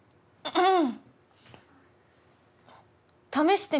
うん。